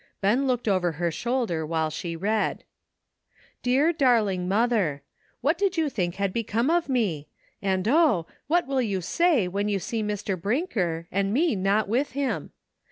Ben looked over her shoulder while she read : Dear, darling mother: What did you think had become of me? And oh! what will you say when you see Mr. Briiiker, and me not with him?